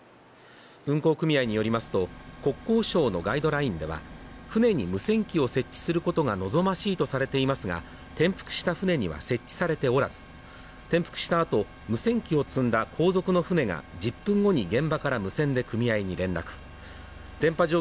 運航組合によりますと、国交省のガイドラインでは、舟に無線機を設置することが望ましいとされていますが転覆した舟には設置されておらず、転覆した後、無線機を積んだ後続の舟が１０分後に現場から無線で組合に連絡。